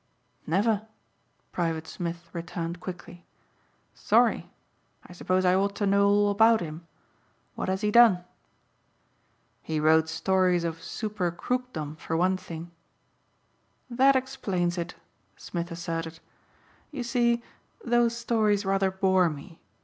"Never," Private Smith returned quickly. "Sorry! I suppose I ought to know all about him. What has he done?" "He wrote stories of super crookdom for one thing." "That explains it," Smith asserted, "You see those stories rather bore me.